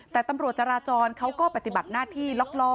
แต่ตำรวจจราจรเขาก็ปฏิบัติหน้าที่ล็อกล้อ